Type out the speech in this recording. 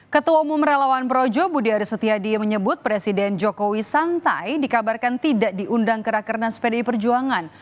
ketua umum relawan projo budi aris setiadi menyebut presiden jokowi santai dikabarkan tidak diundang ke rakernas pdi perjuangan